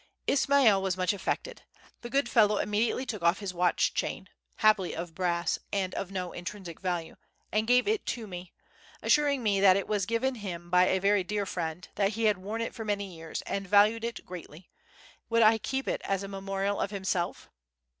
Ismail was much affected. The good fellow immediately took off his watch chain (happily of brass and of no intrinsic value) and gave it me, assuring me that it was given him by a very dear friend, that he had worn it for many years, and valued it greatly—would I keep it as a memorial of himself?